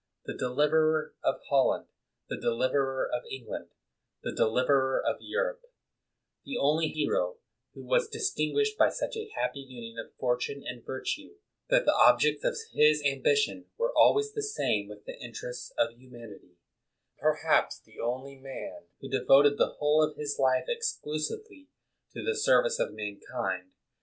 the deliverer of Holland, the deliverer of England, the deliv erer of Europe; the only hero who was dis tinguished by such a happy union of fortune and virtue that the objects of his ambition were always the same with the interests of humanity ; perhaps the only man who devoted the whole of his life exclusively to the service of mankind.